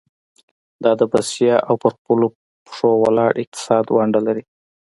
دا د بسیا او پر خپلو پخو ولاړ اقتصاد ونډه لري.